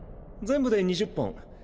全部で２０本。